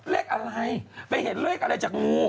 เลขอะไรไปเห็นเลขอะไรจากงู